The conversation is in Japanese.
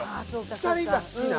２人が好きな。